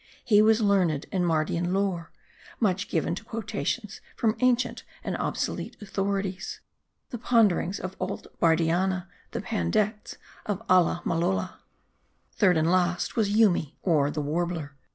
He was learned in Mardian lore ; muck given to quotations from ancient and obsolete authorities : the Ponderings of Old Bardianna : the Pandects of Alla Malolla. Third and last, was Yoomy, or the Warbler.